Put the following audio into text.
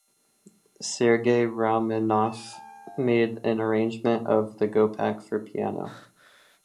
Sergei Rachmaninoff made an arrangement of the Gopak for piano.